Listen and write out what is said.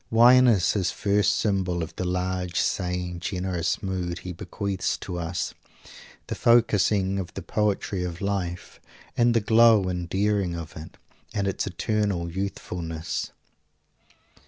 Wine is his first symbol of the large, sane, generous mood he bequeaths to us the focusing of the poetry of life, and the glow and daring of it, and its eternal youthfulness.